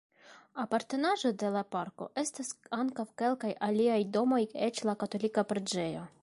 Apartenaĵo de la parko estas ankaŭ kelkaj aliaj domoj eĉ la katolika preĝejo.